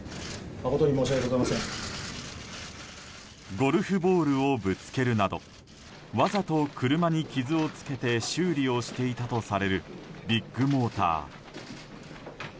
ゴルフボールをぶつけるなどわざと車に傷をつけて修理をしていたとされるビッグモーター。